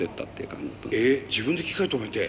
自分で機械止めて？